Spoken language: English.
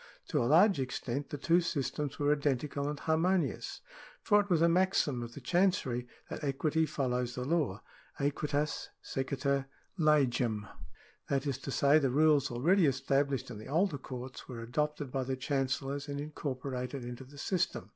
To a large extent the two systems were identical and harmonious, for it was a maxim of the Chancery that equity follows the law (Aequitas sequitur legem) ; that is to say, the rules already established in the older courts were adopted by the Chancellors and incorporated into the system 1 Y.